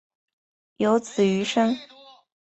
有子俞深。